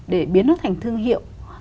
để biến nó thành thương hiệu